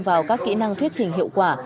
vào các kỹ năng thuyết trình hiệu quả